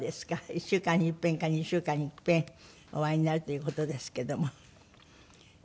１週間に一遍か２週間に一遍お会いになるという事ですけども。